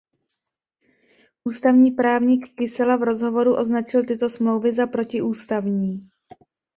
Ústavní právník Kysela v rozhovoru označil tyto smlouvy za protiústavní.